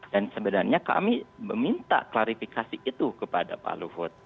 dan sebenarnya kami meminta klarifikasi itu kepada pak luhut